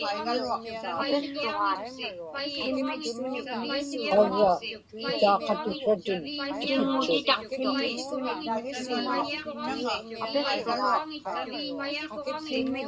qagga ikaaqatiksratin tikitchut